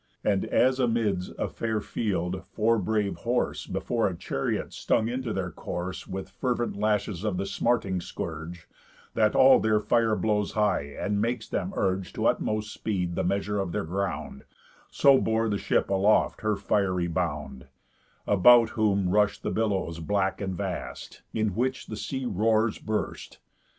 And as amids a fair field four brave horse Before a chariot stung into their course With fervent lashes of the smarting scourge, That all their fire blows high, and makes them urge To utmost speed the measure of their ground; So bore the ship aloft her fiery bound; About whom rush'd the billows black and vast, In which the sea roars burst.